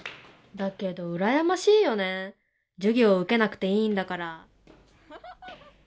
だけど羨ましいよねぇ授業受けなくていいんだから。